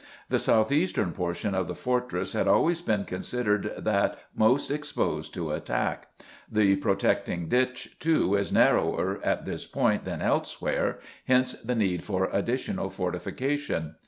The south eastern portion of the fortress had always been considered that most exposed to attack; the protecting ditch, too, is narrower at this point than elsewhere, hence the need for additional fortification.